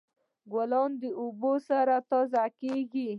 ګلان د اوبو سره تازه کیږي.